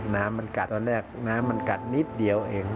น้ำมันกัดตอนแรกน้ำมันกัดนิดเดียวเอง